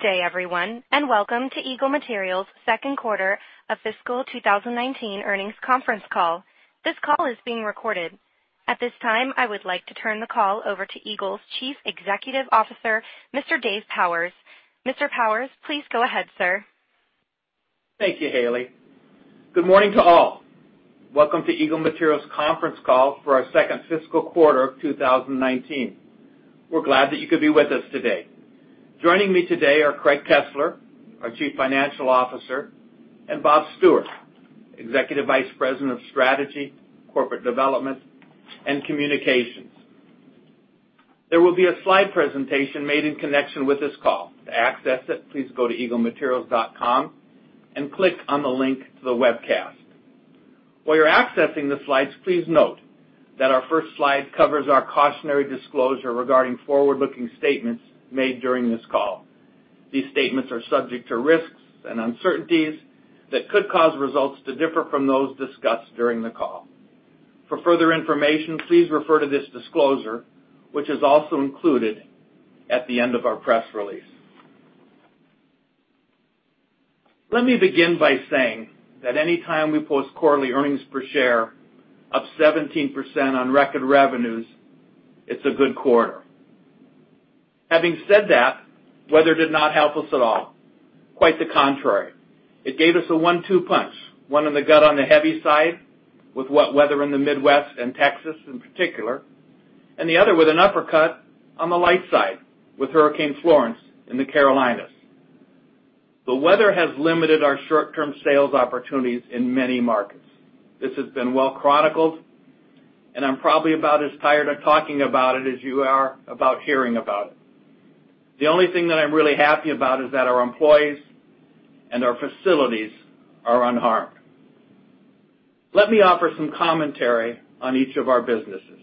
Good day, everyone, and welcome to Eagle Materials' second quarter of fiscal 2019 earnings conference call. This call is being recorded. At this time, I would like to turn the call over to Eagle's Chief Executive Officer, Mr. Dave Powers. Mr. Powers, please go ahead, sir. Thank you, Haley. Good morning to all. Welcome to Eagle Materials' conference call for our second fiscal quarter of 2019. We're glad that you could be with us today. Joining me today are Craig Kesler, our Chief Financial Officer, and Bob Stewart, Executive Vice President of Strategy, Corporate Development, and Communications. There will be a slide presentation made in connection with this call. To access it, please go to eaglematerials.com and click on the link to the webcast. While you're accessing the slides, please note that our first slide covers our cautionary disclosure regarding forward-looking statements made during this call. These statements are subject to risks and uncertainties that could cause results to differ from those discussed during the call. For further information, please refer to this disclosure, which is also included at the end of our press release. Let me begin by saying that any time we post quarterly earnings per share of 17% on record revenues, it's a good quarter. Having said that, weather did not help us at all. Quite the contrary. It gave us a one-two punch, one in the gut on the heavy side with wet weather in the Midwest and Texas in particular, and the other with an uppercut on the light side with Hurricane Florence in the Carolinas. The weather has limited our short-term sales opportunities in many markets. This has been well chronicled, and I'm probably about as tired of talking about it as you are about hearing about it. The only thing that I'm really happy about is that our employees and our facilities are unharmed. Let me offer some commentary on each of our businesses.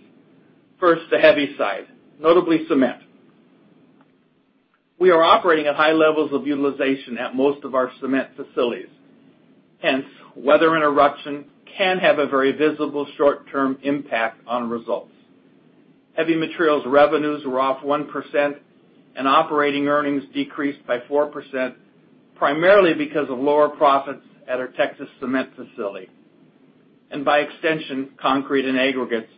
First, the heavy side, notably cement. We are operating at high levels of utilization at most of our cement facilities, hence, weather interruption can have a very visible short-term impact on results. Heavy materials revenues were off 1% and operating earnings decreased by 4%, primarily because of lower profits at our Texas cement facility, and by extension, concrete and aggregates,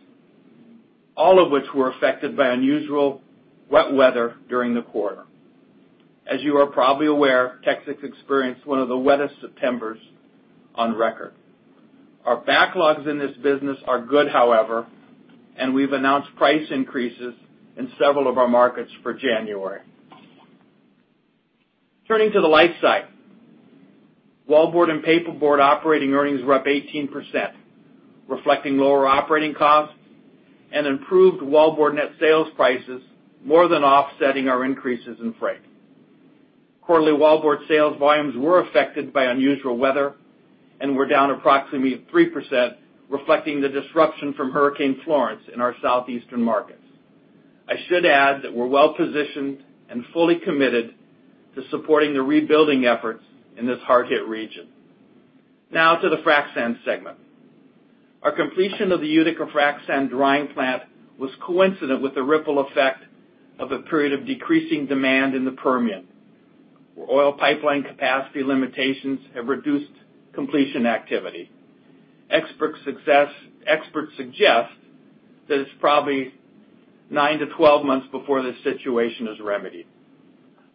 all of which were affected by unusual wet weather during the quarter. As you are probably aware, Texas experienced one of the wettest Septembers on record. Our backlogs in this business are good, however, and we've announced price increases in several of our markets for January. Turning to the light side. Wallboard and paperboard operating earnings were up 18%, reflecting lower operating costs and improved wallboard net sales prices, more than offsetting our increases in freight. Quarterly wallboard sales volumes were affected by unusual weather and were down approximately 3%, reflecting the disruption from Hurricane Florence in our southeastern markets. I should add that we're well-positioned and fully committed to supporting the rebuilding efforts in this hard-hit region. Now to the frac sand segment. Our completion of the Utica frac sand drying plant was coincident with the ripple effect of a period of decreasing demand in the Permian, where oil pipeline capacity limitations have reduced completion activity. Experts suggest that it's probably nine to 12 months before this situation is remedied.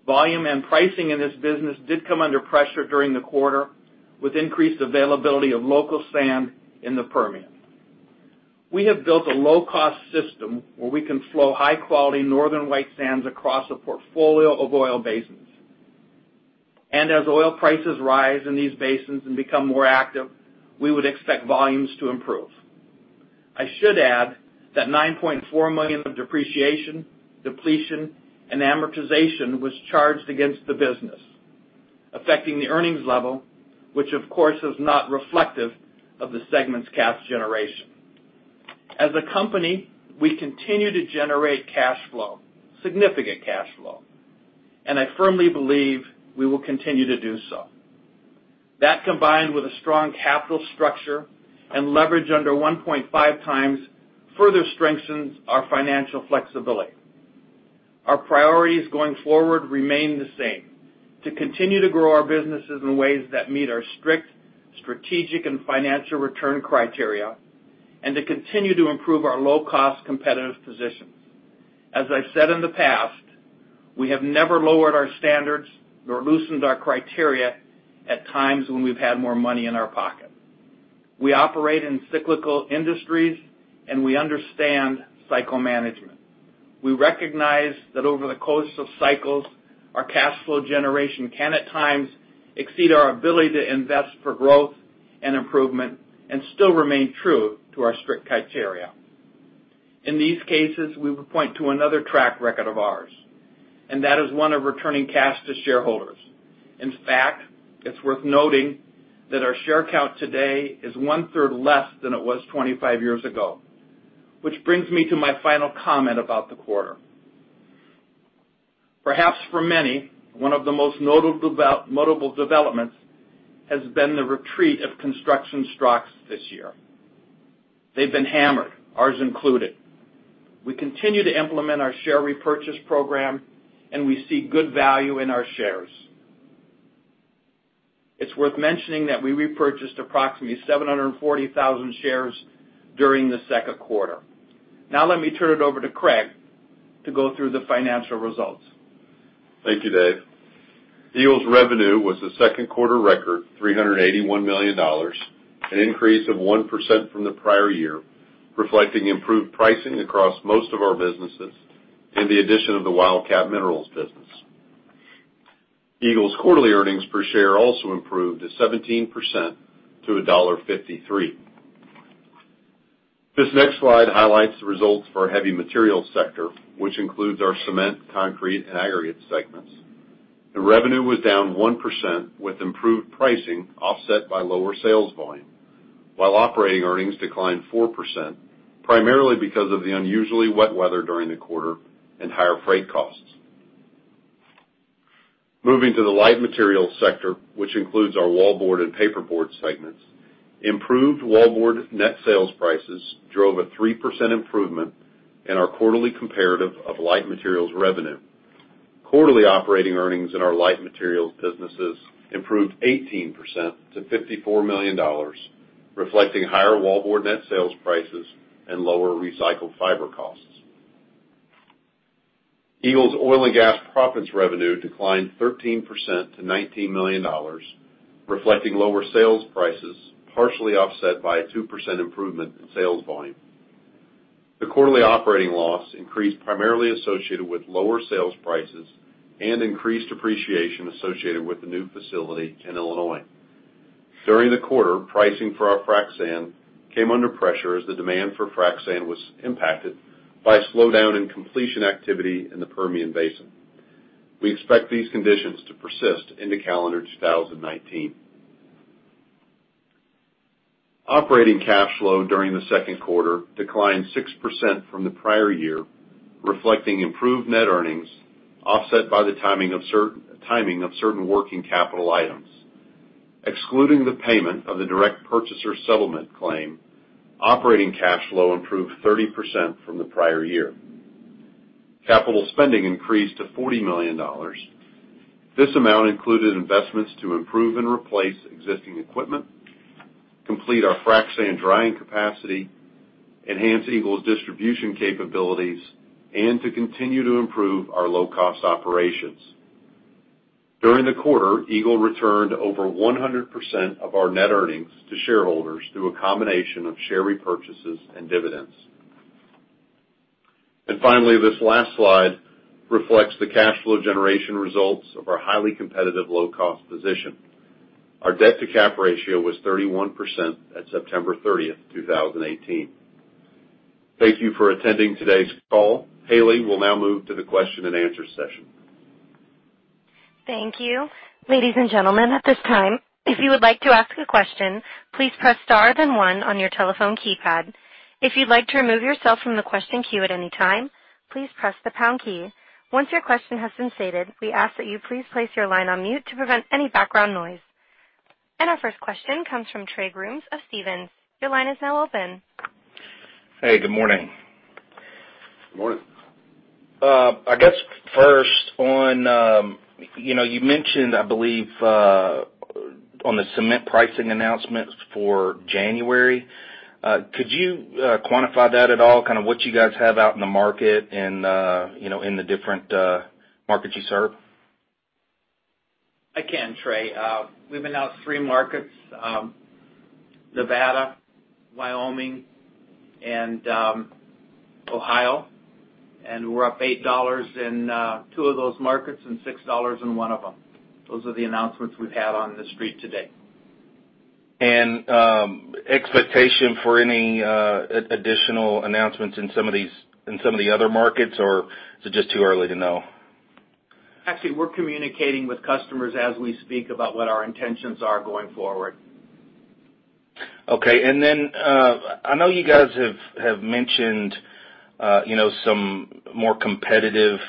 Volume and pricing in this business did come under pressure during the quarter, with increased availability of local sand in the Permian. We have built a low-cost system where we can flow high-quality northern white sands across a portfolio of oil basins. As oil prices rise in these basins and become more active, we would expect volumes to improve. I should add that $9.4 million of depreciation, depletion, and amortization was charged against the business, affecting the earnings level, which of course is not reflective of the segment's cash generation. As a company, we continue to generate cash flow, significant cash flow, and I firmly believe we will continue to do so. That, combined with a strong capital structure and leverage under 1.5 times, further strengthens our financial flexibility. Our priorities going forward remain the same, to continue to grow our businesses in ways that meet our strict strategic and financial return criteria, and to continue to improve our low-cost, competitive positions. As I've said in the past, we have never lowered our standards nor loosened our criteria at times when we've had more money in our pocket. We operate in cyclical industries, and we understand cycle management. We recognize that over the course of cycles, our cash flow generation can at times exceed our ability to invest for growth and improvement and still remain true to our strict criteria. In these cases, we would point to another track record of ours, and that is one of returning cash to shareholders. In fact, it's worth noting that our share count today is one-third less than it was 25 years ago. Which brings me to my final comment about the quarter. Perhaps for many, one of the most notable developments has been the retreat of construction stocks this year. They've been hammered, ours included. We continue to implement our share repurchase program, and we see good value in our shares. It's worth mentioning that we repurchased approximately 740,000 shares during the second quarter. Let me turn it over to Craig to go through the financial results. Thank you, Dave. Eagle's revenue was a second quarter record, $381 million, an increase of 1% from the prior year, reflecting improved pricing across most of our businesses and the addition of the Wildcat Minerals business. Eagle's quarterly earnings per share also improved 17% to $1.53. This next slide highlights the results for our heavy materials sector, which includes our cement, concrete, and aggregates segments. The revenue was down 1% with improved pricing offset by lower sales volume, while operating earnings declined 4%, primarily because of the unusually wet weather during the quarter and higher freight costs. Moving to the light materials sector, which includes our wallboard and paperboard segments, improved wallboard net sales prices drove a 3% improvement in our quarterly comparative of light materials revenue. Quarterly operating earnings in our light materials businesses improved 18% to $54 million, reflecting higher wallboard net sales prices and lower recycled fiber costs. Eagle's oil and gas proppants revenue declined 13% to $19 million, reflecting lower sales prices, partially offset by a 2% improvement in sales volume. The quarterly operating loss increased primarily associated with lower sales prices and increased depreciation associated with the new facility in Illinois. During the quarter, pricing for our frac sand came under pressure as the demand for frac sand was impacted by a slowdown in completion activity in the Permian Basin. We expect these conditions to persist into calendar 2019. Operating cash flow during the second quarter declined 6% from the prior year, reflecting improved net earnings offset by the timing of certain working capital items. Excluding the payment of the direct purchaser settlement claim, operating cash flow improved 30% from the prior year. Capital spending increased to $40 million. This amount included investments to improve and replace existing equipment, complete our frac sand drying capacity, enhance Eagle's distribution capabilities, and to continue to improve our low-cost operations. During the quarter, Eagle returned over 100% of our net earnings to shareholders through a combination of share repurchases and dividends. Finally, this last slide reflects the cash flow generation results of our highly competitive low-cost position. Our debt to cap ratio was 31% at September 30th, 2018. Thank you for attending today's call. Haley will now move to the question and answer session. Thank you. Ladies and gentlemen, at this time, if you would like to ask a question, please press star then one on your telephone keypad. If you'd like to remove yourself from the question queue at any time, please press the pound key. Once your question has been stated, we ask that you please place your line on mute to prevent any background noise. Our first question comes from Trey Grooms of Stephens. Your line is now open. Hey, good morning. Good morning. I guess first on, you mentioned, I believe, on the cement pricing announcements for January, could you quantify that at all, kind of what you guys have out in the market and in the different markets you serve? I can, Trey. We've announced three markets, Nevada, Wyoming, and Ohio, and we're up $8 in two of those markets and $6 in one of them. Those are the announcements we've had on the street today. Expectation for any additional announcements in some of the other markets, or is it just too early to know? Actually, we're communicating with customers as we speak about what our intentions are going forward. Okay. Then I know you guys have mentioned some more competitive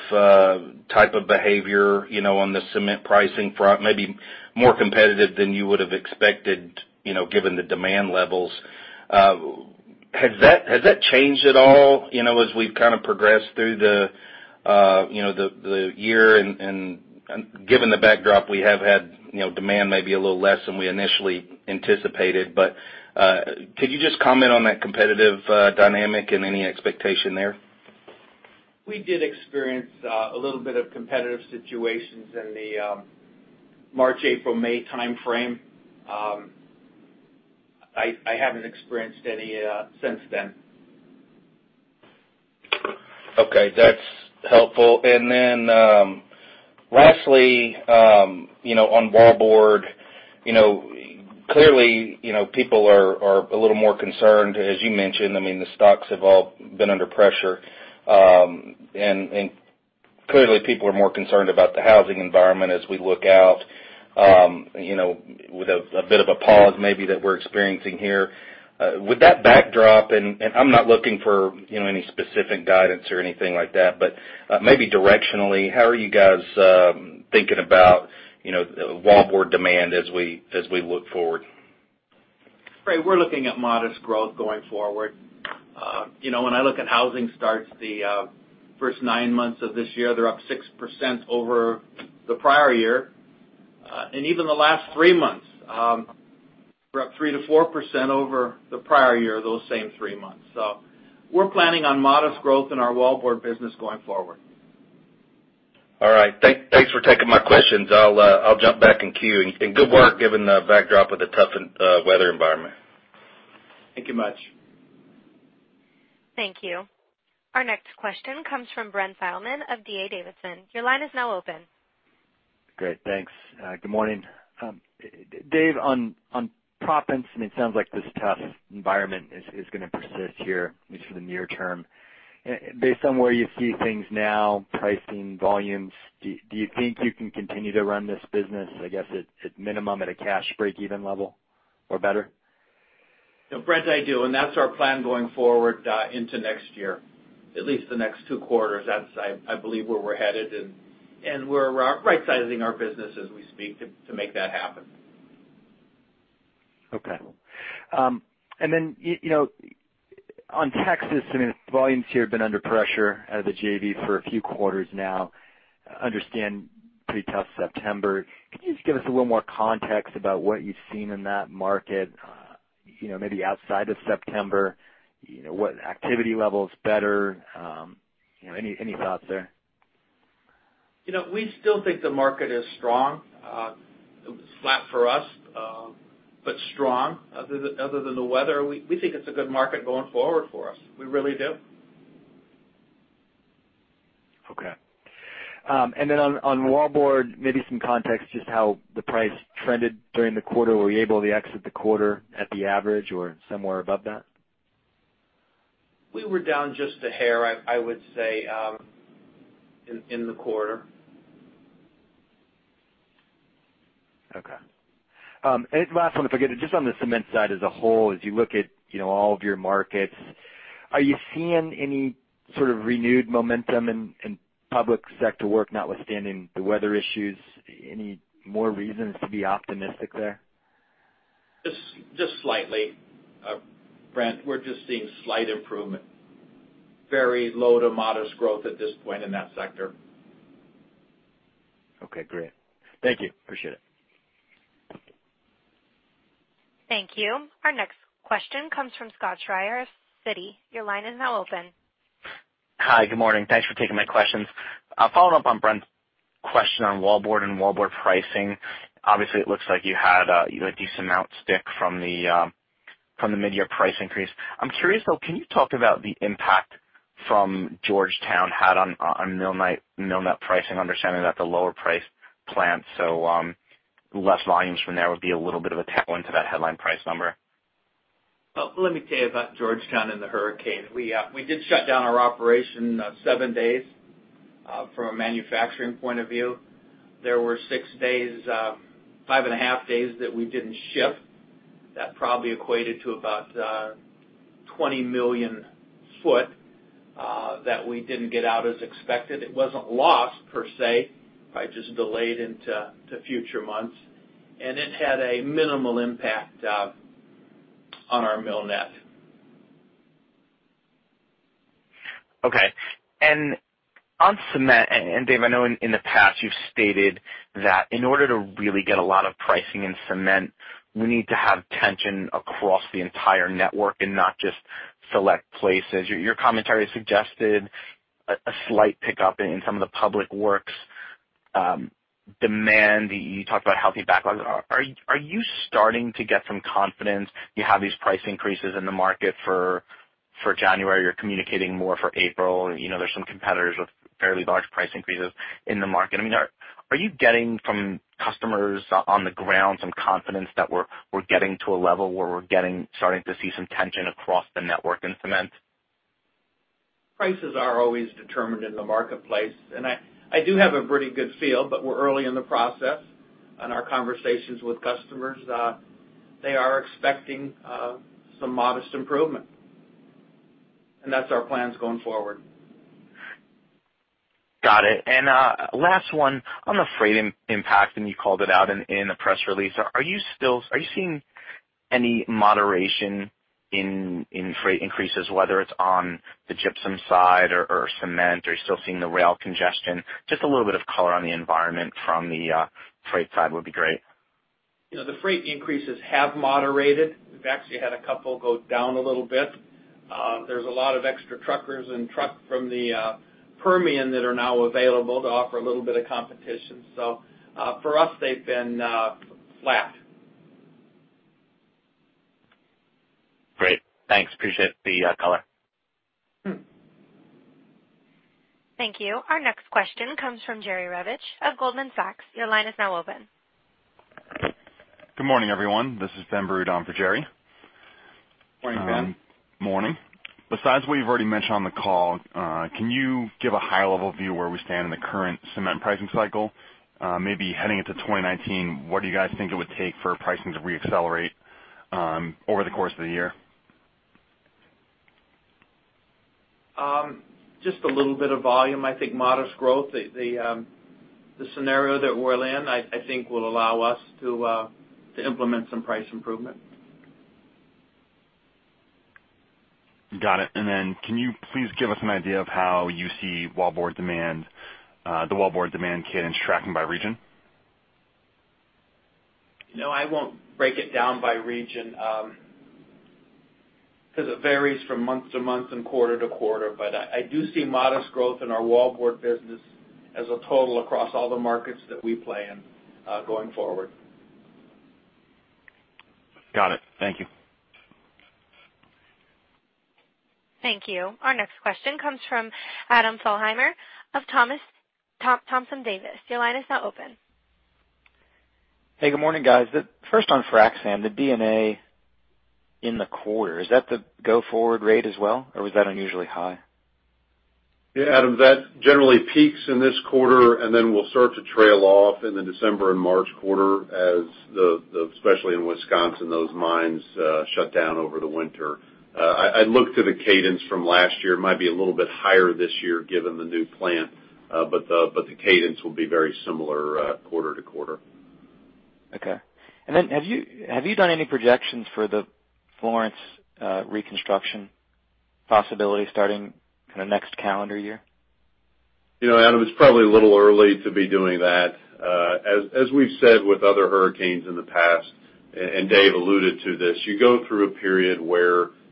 type of behavior on the cement pricing front, maybe more competitive than you would have expected given the demand levels. Has that changed at all as we've kind of progressed through the year, and given the backdrop we have had demand maybe a little less than we initially anticipated, but could you just comment on that competitive dynamic and any expectation there? We did experience a little bit of competitive situations in the March, April, May timeframe. I haven't experienced any since then. Okay. That's helpful. Lastly on wallboard, clearly people are a little more concerned, as you mentioned, I mean, the stocks have all been under pressure. Clearly people are more concerned about the housing environment as we look out with a bit of a pause maybe that we're experiencing here. With that backdrop, I'm not looking for any specific guidance or anything like that, but maybe directionally, how are you guys thinking about wallboard demand as we look forward? Trey, we're looking at modest growth going forward. When I look at housing starts the first nine months of this year, they're up 6% over the prior year. Even the last three months, we're up 3%-4% over the prior year, those same three months. We're planning on modest growth in our wallboard business going forward. All right. Thanks for taking my questions. I'll jump back in queue. Good work given the backdrop of the tough weather environment. Thank you much. Thank you. Our next question comes from Brent Thielman of D.A. Davidson. Your line is now open. Great, thanks. Good morning. Dave, on proppants, it sounds like this tough environment is going to persist here at least for the near term. Based on where you see things now, pricing, volumes, do you think you can continue to run this business, I guess, at minimum, at a cash breakeven level or better? Brent, I do. That's our plan going forward into next year, at least the next two quarters. That's, I believe, where we're headed. We're right-sizing our business as we speak to make that happen. Okay. On Texas, volumes here have been under pressure out of the JV for a few quarters now. Understand pretty tough September. Can you just give us a little more context about what you've seen in that market, maybe outside of September? What activity level is better? Any thoughts there? We still think the market is strong. It was flat for us, but strong other than the weather. We think it's a good market going forward for us. We really do. Okay. Then on wallboard, maybe some context just how the price trended during the quarter. Were you able to exit the quarter at the average or somewhere above that? We were down just a hair, I would say, in the quarter. Okay. Last one, if I could, just on the cement side as a whole, as you look at all of your markets, are you seeing any sort of renewed momentum in public sector work, notwithstanding the weather issues? Any more reasons to be optimistic there? Just slightly, Brent. We're just seeing slight improvement. Very low to modest growth at this point in that sector. Okay, great. Thank you. Appreciate it. Thank you. Our next question comes from Scott Schrier of Citi. Your line is now open. Hi, good morning. Thanks for taking my questions. Following up on Brent's question on wallboard and wallboard pricing, obviously, it looks like you had a decent amount stick from the mid-year price increase. I'm curious, though, can you talk about the impact from Georgetown had on mill net pricing? Understanding that the lower price plants, so less volumes from there would be a little bit of a tailwind to that headline price number. Well, let me tell you about Georgetown and the hurricane. We did shut down our operation seven days, from a manufacturing point of view. There were six days, five and a half days that we didn't ship. That probably equated to about 20 million foot that we didn't get out as expected. It wasn't lost, per se. Probably just delayed into future months. It had a minimal impact on our mill net. Okay. On cement, and Dave, I know in the past you've stated that in order to really get a lot of pricing in cement, we need to have tension across the entire network and not just select places. Your commentary suggested a slight pickup in some of the public works demand. You talked about healthy backlogs. Are you starting to get some confidence? You have these price increases in the market for January. You're communicating more for April. There's some competitors with fairly large price increases in the market. Are you getting from customers on the ground some confidence that we're starting to see some tension across the network in cement? Prices are always determined in the marketplace, and I do have a pretty good feel, but we're early in the process on our conversations with customers. They are expecting some modest improvement, and that's our plans going forward. Got it. Last one on the freight impact, and you called it out in the press release. Are you seeing any moderation in freight increases, whether it's on the gypsum side or cement? Are you still seeing the rail congestion? Just a little bit of color on the environment from the freight side would be great. The freight increases have moderated. We've actually had a couple go down a little bit. There's a lot of extra truckers and truck from the Permian that are now available to offer a little bit of competition. For us, they've been flat. Great. Thanks. Appreciate the color. Thank you. Our next question comes from Jerry Revich of Goldman Sachs. Your line is now open. Good morning, everyone. This is Ben Burud on for Jerry. Morning, Ben. Morning. Besides what you've already mentioned on the call, can you give a high-level view of where we stand in the current cement pricing cycle? Maybe heading into 2019, what do you guys think it would take for pricing to re-accelerate over the course of the year? Just a little bit of volume. I think modest growth. The scenario that we're in, I think will allow us to implement some price improvement. Got it. Then can you please give us an idea of how you see the wallboard demand cadence tracking by region? I won't break it down by region, because it varies from month to month and quarter to quarter. I do see modest growth in our wallboard business as a total across all the markets that we play in, going forward. Got it. Thank you. Thank you. Our next question comes from Adam Thalhimer of Thompson Davis. Your line is now open. Hey, good morning, guys. First on frac sand, the DD&A in the quarter. Is that the go-forward rate as well, or was that unusually high? Yeah, Adam, that generally peaks in this quarter and then will start to trail off in the December and March quarter, especially in Wisconsin, those mines shut down over the winter. I'd look to the cadence from last year. Might be a little bit higher this year given the new plant. The cadence will be very similar, quarter to quarter. Okay. Have you done any projections for the Florence reconstruction possibility starting next calendar year? Adam, it's probably a little early to be doing that. As we've said with other hurricanes in the past, Dave alluded to this, you go through a period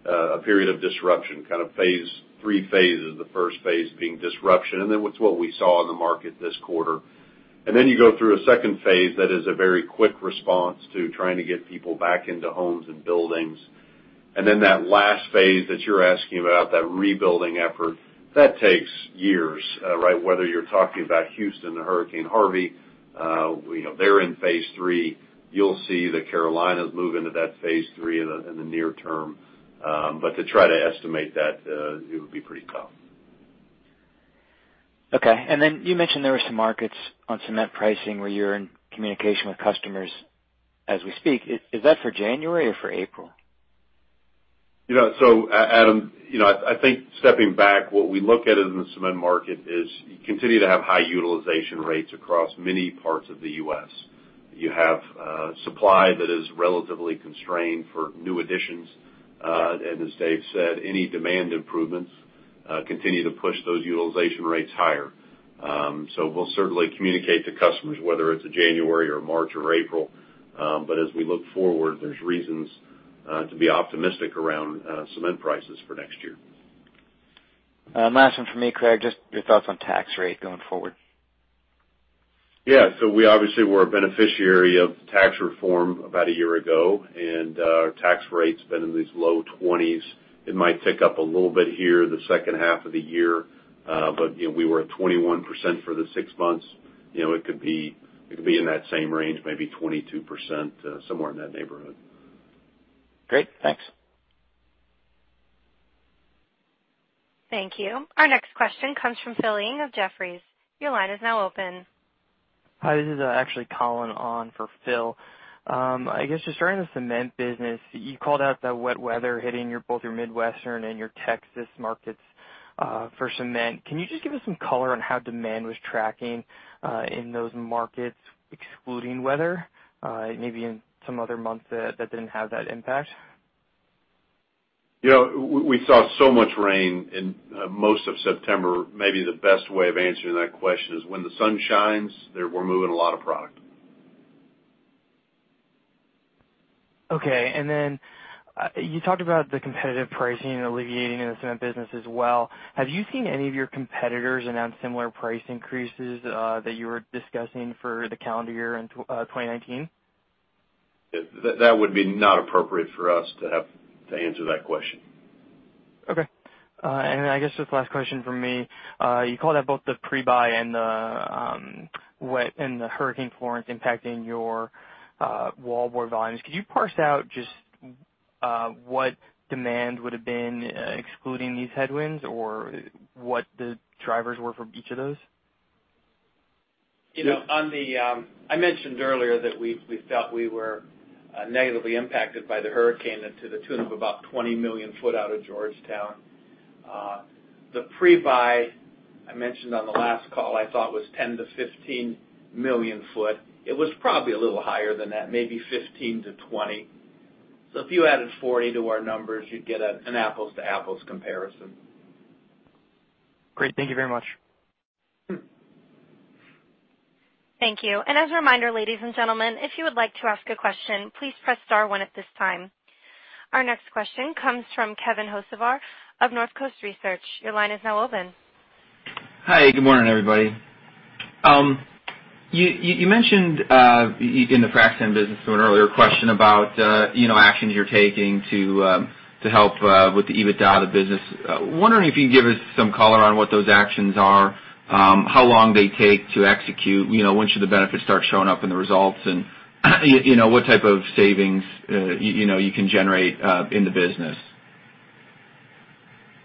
of disruption, kind of 3 phases. The first phase being disruption, what's what we saw in the market this quarter. You go through a second phase that is a very quick response to trying to get people back into homes and buildings. That last phase that you're asking about, that rebuilding effort, that takes years, right? Whether you're talking about Houston or Hurricane Harvey, they're in phase 3. You'll see the Carolinas move into that phase 3 in the near term. To try to estimate that, it would be pretty tough. Okay. You mentioned there were some markets on cement pricing where you're in communication with customers as we speak. Is that for January or for April? Adam, I think stepping back, what we look at in the cement market is you continue to have high utilization rates across many parts of the U.S. You have supply that is relatively constrained for new additions. As Dave said, any demand improvements continue to push those utilization rates higher. We'll certainly communicate to customers whether it's a January or March or April. As we look forward, there's reasons to be optimistic around cement prices for next year. Last one from me, Craig, just your thoughts on tax rate going forward. We obviously were a beneficiary of tax reform about a year ago, and our tax rate's been in these low 20s. It might tick up a little bit here the second half of the year. We were at 21% for the six months. It could be in that same range, maybe 22%, somewhere in that neighborhood. Great. Thanks. Thank you. Our next question comes from Philip Ng of Jefferies. Your line is now open. Hi, this is actually Colin on for Phil. I guess just starting with cement business, you called out the wet weather hitting both your Midwestern and your Texas markets for cement. Can you just give us some color on how demand was tracking in those markets, excluding weather, maybe in some other months that didn't have that impact? We saw so much rain in most of September. Maybe the best way of answering that question is when the sun shines, we're moving a lot of product. Okay. You talked about the competitive pricing alleviating in the cement business as well. Have you seen any of your competitors announce similar price increases that you were discussing for the calendar year in 2019? That would be not appropriate for us to answer that question. Okay. I guess just last question from me. You called out both the pre-buy and the Hurricane Florence impacting your wallboard volumes. Could you parse out just what demand would've been, excluding these headwinds, or what the drivers were for each of those? I mentioned earlier that we felt we were negatively impacted by the Hurricane to the tune of about 20 million foot out of Georgetown. The pre-buy, I mentioned on the last call, I thought was 10-15 million foot. It was probably a little higher than that, maybe 15-20. If you added 40 to our numbers, you'd get an apples to apples comparison. Great. Thank you very much. Thank you. As a reminder, ladies and gentlemen, if you would like to ask a question, please press star one at this time. Our next question comes from Kevin Hocevar of Northcoast Research. Your line is now open. Hi. Good morning, everybody. You mentioned, in the frac sand business to an earlier question about actions you're taking to help with the EBITDA of the business. Wondering if you can give us some color on what those actions are, how long they take to execute, when should the benefits start showing up in the results, and what type of savings you can generate in the business?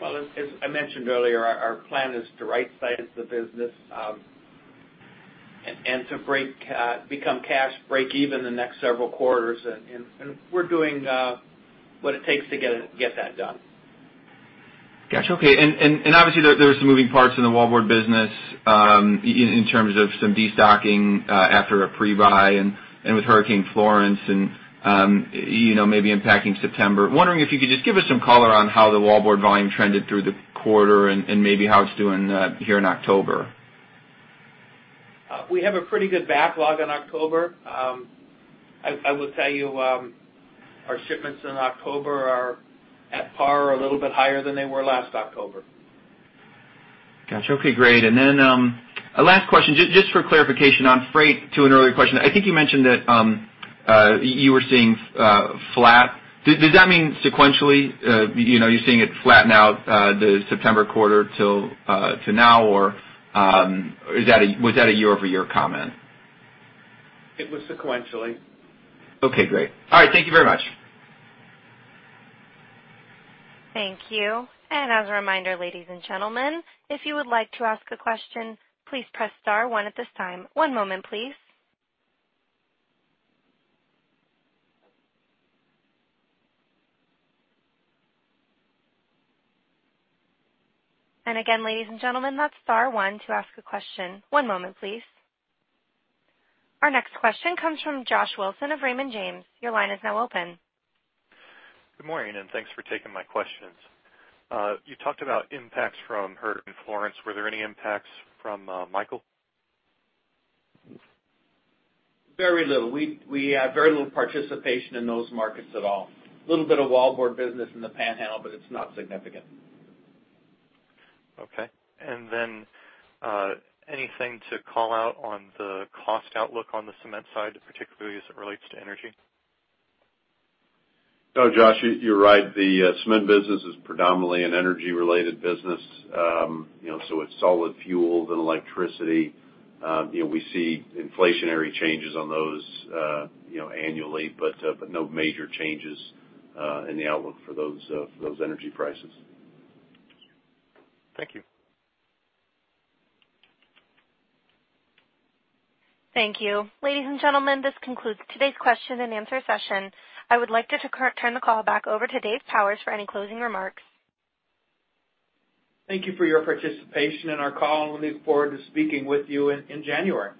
Well, as I mentioned earlier, our plan is to right-size the business and to become cash break even the next several quarters. We're doing what it takes to get that done. Got you. Okay. Obviously, there are some moving parts in the wallboard business in terms of some destocking after a pre-buy and with Hurricane Florence maybe impacting September. Wondering if you could just give us some color on how the wallboard volume trended through the quarter and maybe how it's doing here in October? We have a pretty good backlog in October. I will tell you, our shipments in October are at par or a little bit higher than they were last October. Got you. Okay, great. Last question, just for clarification on freight to an earlier question. I think you mentioned that you were seeing flat. Does that mean sequentially? You're seeing it flatten out the September quarter till now, or was that a year-over-year comment? It was sequentially. Okay, great. All right. Thank you very much. Thank you. As a reminder, ladies and gentlemen, if you would like to ask a question, please press star one at this time. One moment, please. Again, ladies and gentlemen, that's star one to ask a question. One moment, please. Our next question comes from Josh Wilson of Raymond James. Your line is now open. Good morning, and thanks for taking my questions. You talked about impacts from Hurricane Florence. Were there any impacts from Michael? Very little. We have very little participation in those markets at all. A little bit of wallboard business in the Panhandle, but it's not significant. Okay. Then, anything to call out on the cost outlook on the cement side, particularly as it relates to energy? Josh, you're right. The cement business is predominantly an energy-related business. It's solid fuel, then electricity. We see inflationary changes on those annually, no major changes in the outlook for those energy prices. Thank you. Thank you. Ladies and gentlemen, this concludes today's question and answer session. I would like to turn the call back over to Dave Powers for any closing remarks. Thank you for your participation in our call, we look forward to speaking with you in January.